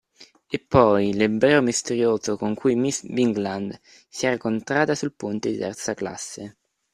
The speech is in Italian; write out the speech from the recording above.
E poi: l’ebreo misterioso con cui miss Bigland si era incontrata sul ponte di terza classe.